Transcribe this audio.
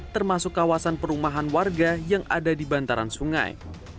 termasuk kawasan perumahan warga yang ada di bantaran sungai